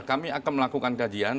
kami akan melakukan kajian